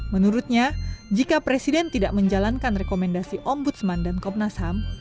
menurutnya jika presiden tidak menjalankan rekomendasi ombudsman dan komnas ham